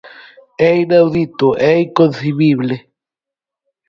¡É inaudito, é inconcibible!